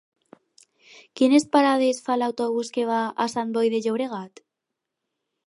Quines parades fa l'autobús que va a Sant Boi de Llobregat?